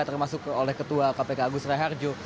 termasuk oleh ketua kpk agus raharjo